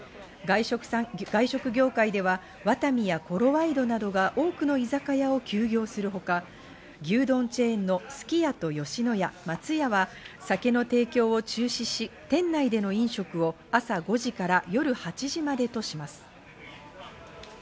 外食業界ではワタミやコロワイドなどが多くの居酒屋を休業するほか、牛丼チェーンのすき家と吉野家、松屋は酒の提供を中止し、店内での飲食を朝５時から夜８時までとします。